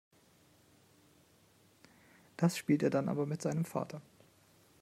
Das spielt er dann aber mit seinem Vater.